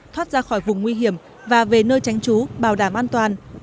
thoát ra khỏi vùng nguy hiểm và về nơi tránh trú bảo đảm an toàn